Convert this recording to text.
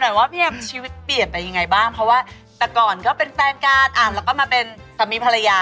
แต่ว่าพี่เอ็มชีวิตเปลี่ยนไปยังไงบ้างเพราะว่าแต่ก่อนก็เป็นแฟนกันแล้วก็มาเป็นสามีภรรยา